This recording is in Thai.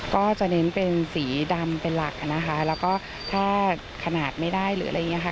ก็จะเน้นเป็นสีดำเป็นหลักนะคะแล้วก็ถ้าขนาดไม่ได้หรืออะไรอย่างนี้ค่ะ